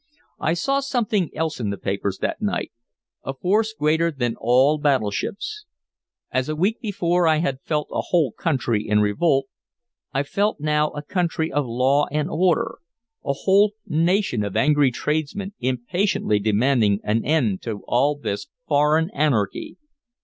I saw something else in the papers that night, a force greater than all battleships. As a week before I had felt a whole country in revolt, I felt now a country of law and order, a whole nation of angry tradesmen impatiently demanding an end to all this "foreign anarchy."